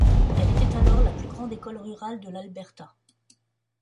Elle était alors la plus grande école rurale de l'Alberta.